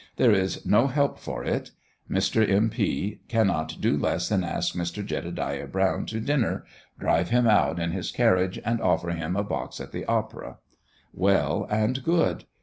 There is no help for it. Mr. M. P. cannot do less than ask Mr. Jedediah Brown to dinner, drive him out in his carriage, and offer him a box at the opera. Well and good.